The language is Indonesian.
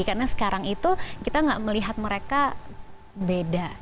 karena sekarang itu kita gak melihat mereka beda